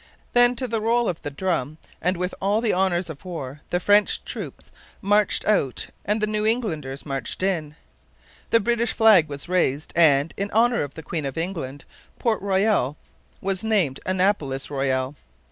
Then to the roll of the drum, and with all the honours of war, the French troops marched out and the New Englanders marched in. The British flag was raised, and, in honour of the queen of England, Port Royal was named Annapolis Royal.